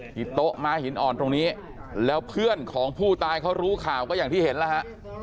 ที่โต๊ะม้าหินอ่อนตรงนี้แล้วเพื่อนของผู้ตายเขารู้ข่าวก็อย่างที่เห็นแล้วฮะ